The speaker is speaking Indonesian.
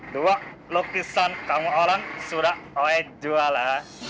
dua lukisan kamu orang sudah saya jual ya